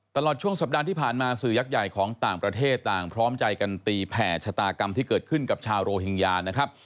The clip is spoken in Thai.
ตลอดช่วงสัปดาห์ที่ผ่านมาสื่อยักษ์ใหญ่ของต่างประเทศต่างพร้อมใจกันตีแผ่ชะตากรรมที่เกิดขึ้นกับชาวโรฮิงญานะครับ